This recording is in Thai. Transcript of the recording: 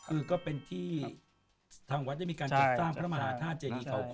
คือก็เป็นที่ทางวัดได้มีการจัดสร้างพระมหาธาตุเจดีเขา